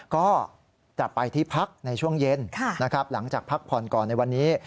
ก็จะไปที่พักในช่วงเย็นนะครับหลังจากพักผ่อนก่อนในวันนี้